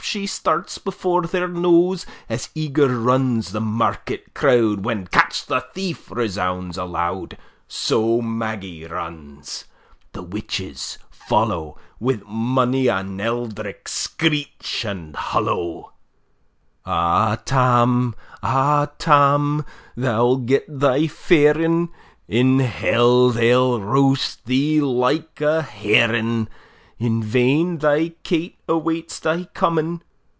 she starts before their nose; As eager runs the market crowd, When "Catch the thief!" resounds aloud; So Maggie runs, the witches follow, Wi' mony an eldritch skreech and hollow. Ah, Tam! Ah, Tam! thou'll get thy fairin! In hell they'll roast thee like a herrin! In vain thy Kate awaits thy coming!